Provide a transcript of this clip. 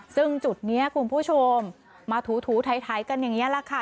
ซึ่งจุดนี้คุณผู้ชมมาถูไถกันอย่างนี้แหละค่ะ